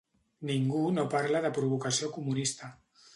Ningú no parla de provocació comunista.